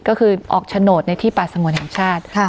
ก็คือออกโฉนดในที่ป่าสงวนแห่งชาติ